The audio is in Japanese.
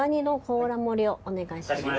お願いします。